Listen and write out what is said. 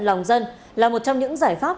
lòng dân là một trong những giải pháp